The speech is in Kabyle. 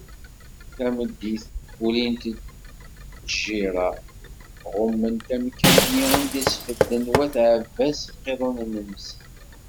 Tameddit, ulint-d tjirra, ɣumment amkan-nni anda i sbedden wat Ɛebbas iqiḍunen-nsen.